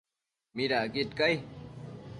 ¿midacquid cai ?